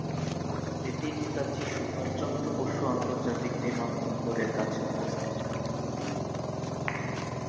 এটি নেতাজি সুভাষচন্দ্র বসু আন্তর্জাতিক বিমানবন্দরের কাছে অবস্থিত।